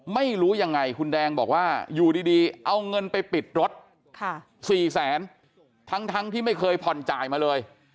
ไม่รู้ยังไงคุณแดงบอกว่าอยู่ดีเอาเงินไปปิดรถ๔แสนทั้งที่ไม่เคยผ่อนจ่ายมาเลย